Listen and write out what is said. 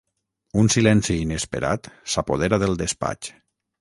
Un silenci inesperat s'apodera del despatx.